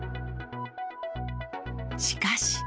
しかし。